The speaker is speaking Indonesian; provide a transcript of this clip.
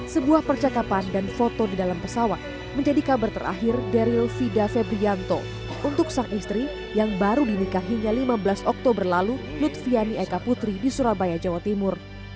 sebuah percakapan dan foto di dalam pesawat menjadi kabar terakhir darylvida febrianto untuk sang istri yang baru dinikahinya lima belas oktober lalu lutfiani eka putri di surabaya jawa timur